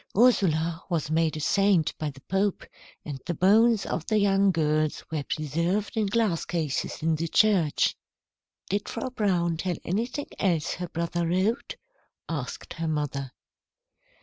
Ursula was made a saint by the Pope, and the bones of the young girls were preserved in glass cases in the church." "Did Frau Braun tell of anything else her brother wrote?" asked her mother.